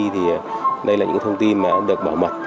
thì đây là những thông tin được bảo mật